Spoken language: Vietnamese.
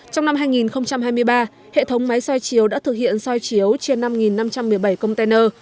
trong năm hai nghìn hai mươi ba hệ thống máy soi chiếu đã thực hiện soi chiếu trên năm năm trăm một mươi bảy container